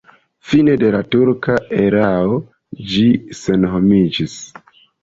Fine de la turka erao ĝi senhomiĝis.